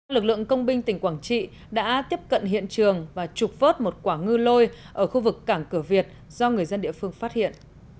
lực lượng công binh tỉnh quảng trị đã tiếp cận hiện trường và trục vớt một quả ngư lôi ở khu vực cảng cửa việt do người dân địa phương phát hiện